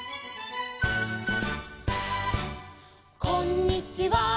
「こんにちは」